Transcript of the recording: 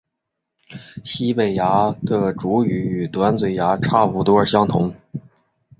西北鸦的主羽与短嘴鸦差不多相同。